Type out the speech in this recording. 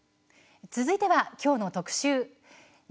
続いては、きょうの特集。